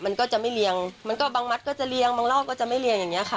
มันก็จะไม่เรียงมันก็บางมัดก็จะเรียงบางรอบก็จะไม่เรียงอย่างนี้ค่ะ